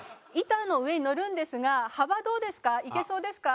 板の上に乗るんですが幅どうですか？